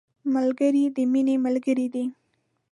ملګری د مینې ملګری دی